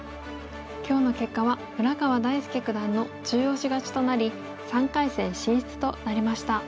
今日の結果は村川大介九段の中押し勝ちとなり３回戦進出となりました。